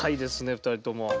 ２人とも。